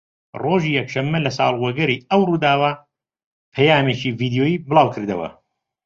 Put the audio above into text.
ڕۆژی یەکشەمە لە ساڵوەگەڕی ئەو ڕووداوە پەیامێکی ڤیدۆیی بڵاوکردەوە